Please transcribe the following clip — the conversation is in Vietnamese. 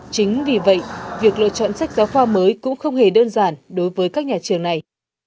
chính vì vậy việc lựa chọn sách giáo khoa mới cũng không hề đơn giản đối với các nhà trường này